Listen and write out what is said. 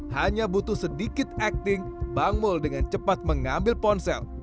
hanya butuh sedikit acting bang mul dengan cepat mengambil ponsel